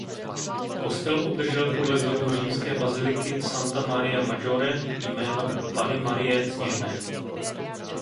Kostel obdržel podle vzoru římské baziliky Santa Maria Maggiore jméno "Panny Marie Sněžné".